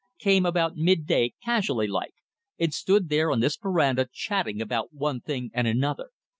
Came about mid day, casually like, and stood there on this verandah chatting about one thing and another.